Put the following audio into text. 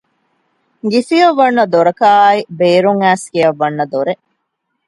ގިފިއްޔަށް ވަންނަ ދޮރަކާއި ބޭރުން އައިސް ގެއަށް ވަންނަ ދޮރެއް